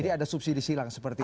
jadi ada subsidi silang seperti itu